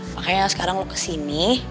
makanya sekarang lo kesini